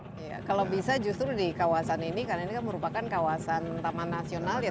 iya kalau bisa justru di kawasan ini karena ini kan merupakan kawasan yang terkenal di indonesia ya